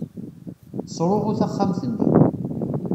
Tesruɣu texxamt-nni.